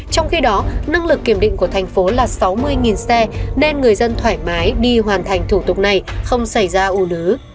trong khi đó năng lực kiểm định của thành phố là sáu mươi xe nên người dân thoải mái đi hoàn thành thủ tục này không xảy ra ủ nứ